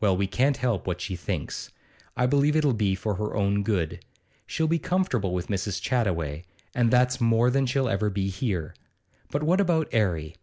'Well, we can't help what she thinks. I believe it'll be for her own good. She'll be comfortable with Mrs. Chattaway, and that's more than she'll ever be here. But what about 'Arry?